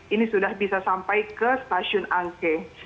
ini sudah bisa sampai ke stasiun angke